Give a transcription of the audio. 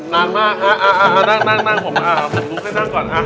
นานมากอะนั่งผมดูแค่นั่งก่อน